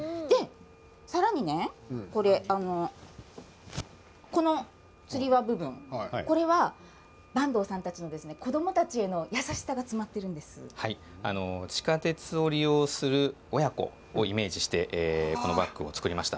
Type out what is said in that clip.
さらにですね、このつり輪の部分これは坂東さんたちの子どもたちへの優しさが地下鉄を利用する親子をイメージして作りました。